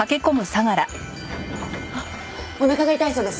おなかが痛いそうです。